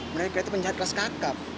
mereka itu penjahat kelas kakap